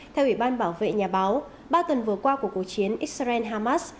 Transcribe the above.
theo ủy ban bảo vệ nhà báo ba tuần vừa qua của cuộc chiến israel hamas